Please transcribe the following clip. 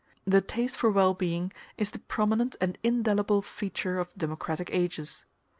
The taste for well being is the prominent and indelible feature of democratic ages.